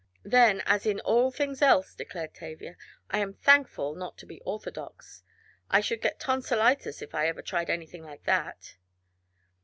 "Then, as in all things else," declared Tavia, "I am thankful not to be orthodox I should get tonsilitis if I ever tried anything like that."